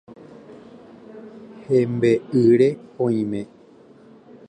Hembe'ýre oime.